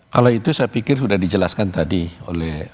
kalau itu saya pikir sudah dijelaskan tadi oleh